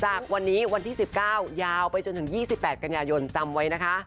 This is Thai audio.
จากวันนี้วันที่๑๙ยาวไปจนถึง๒๘กันยายนจำไว้นะคะ